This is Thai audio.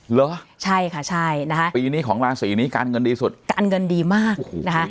เหรอใช่ค่ะใช่นะคะปีนี้ของราศีนี้การเงินดีสุดการเงินดีมากโอ้โหนะคะ